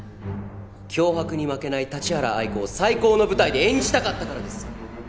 脅迫に負けない立原愛子を最高の舞台で演じたかったからです。